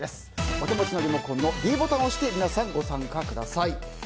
お手持ちのリモコンのｄボタンを押して、皆さんご参加ください。